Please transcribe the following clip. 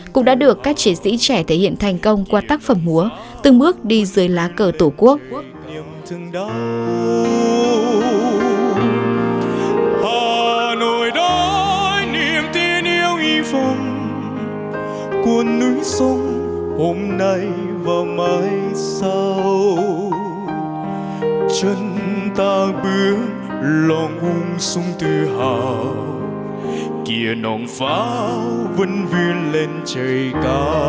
cũng đã được các chiến sĩ trẻ thể hiện thành công qua tác phẩm húa từng bước đi dưới lá cờ tổ quốc